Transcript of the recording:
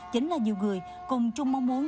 chính là nhiều người cùng chung mong muốn